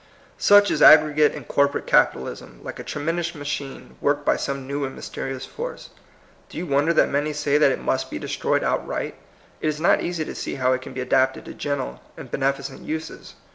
Such is aggregate and corporate capi talism, like a tremendous machine worked by some new and mysterious force. Do you wonder that many say that it must be destroyed outright? It is not easy to see how it can be adapted to gentle and beneficent uses.